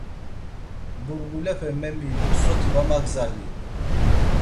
Burgulepe memilu soti va magzalinen.